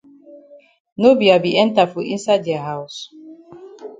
No be I be enter for inside dia haus.